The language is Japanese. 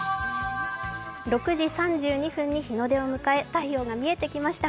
６時３２分に日の出を迎え太陽が見えてきました。